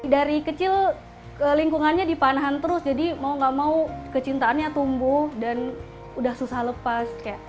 dari kecil lingkungannya dipanahan terus jadi mau gak mau kecintaannya tumbuh dan sudah susah lepas